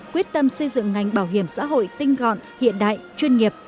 quyết tâm xây dựng ngành bảo hiểm xã hội tinh gọn hiện đại chuyên nghiệp